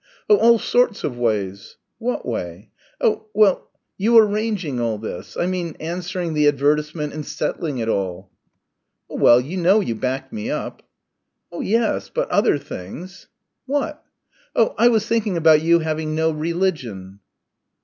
"Oh all sorts of ways." "What way?" "Oh well you arranging all this I mean answering the advertisement and settling it all." "Oh well, you know you backed me up." "Oh yes, but other things...." "What?" "Oh, I was thinking about you having no religion."